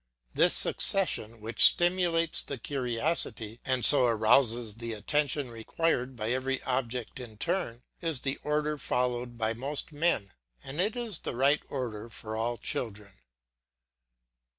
This succession, which stimulates the curiosity and so arouses the attention required by every object in turn, is the order followed by most men, and it is the right order for all children.